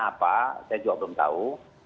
apa saya juga belum tahu